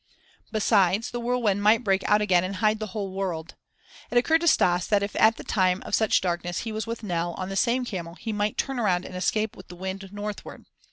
Besides, the whirlwind might break out again and hide the whole world. It occurred to Stas that if at the time of such darkness he was with Nell on the same camel, he might turn around and escape with the wind northward.